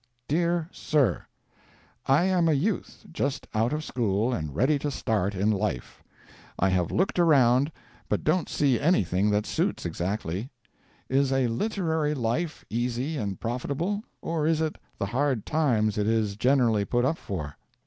DEAR SIR: I am a youth, just out of school and ready to start in life. I have looked around, but don't see anything that suits exactly. Is a literary life easy and profitable, or is it the hard times it is generally put up for?